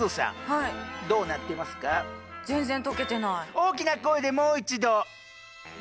大きな声でもう一度。